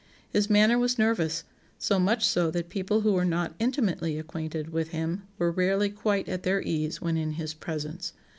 His manner was nervous, so much so that people who were not intimately acquainted with him were rarely quite at their ease when in his presence.